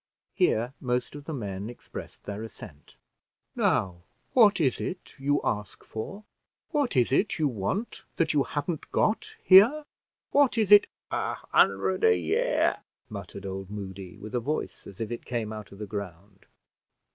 Here most of the men expressed their assent. "Now what is it you ask for? What is it you want that you hav'n't got here? What is it " "A hundred a year," muttered old Moody, with a voice as if it came out of the ground.